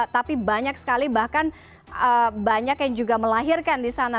tapi banyak sekali bahkan banyak yang juga melahirkan di sana